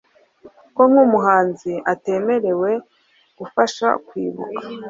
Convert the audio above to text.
ko nk'umuhanzi atemerewe gufasha mu kwibuka.